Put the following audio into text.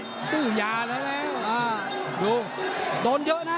มันต้องอย่างงี้มันต้องอย่างงี้